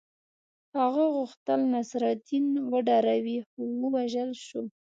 هغه غوښتل نصرالدین وډاروي خو ووژل شو.